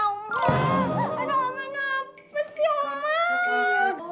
oma aneh oma aneh apa sih oma